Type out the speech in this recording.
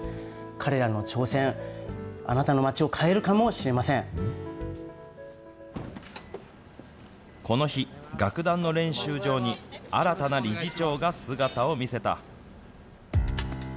彼らの挑戦、あなたの街を変えるこの日、楽団の練習場に新たな理事長が姿を見せた。